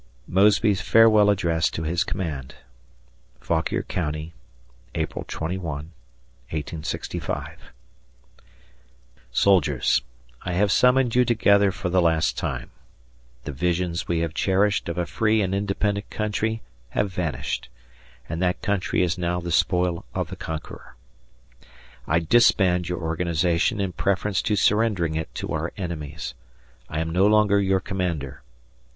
[Mosby's Farewell Address to his Command] Fauquier County, April 21, 1865. Soldiers I have summoned you together for the last time. The visions we have cherished of a free and independent country have vanished, and that country is now the spoil of the conqueror. I disband your organization in preference to surrendering it to our enemies. I am no longer your Commander.